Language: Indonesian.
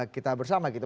kita bersama gitu